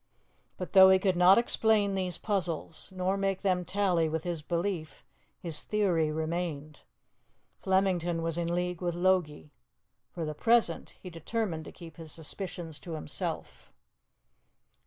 But though he could not explain these puzzles, nor make them tally with his belief, his theory remained. Flemington was in league with Logie. For the present he determined to keep his suspicions to himself.